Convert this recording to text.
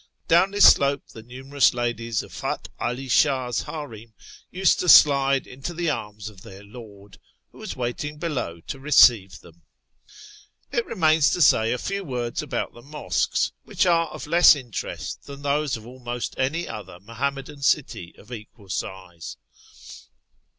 Down this slope the numerous ladies of Fath 'Ali Shah's harem used to slide into the arms of their lord, who was waiting below to receive them. It remains to say a few words about the mosques, which are of less interest than those of almost any other Muham madan city of equal size.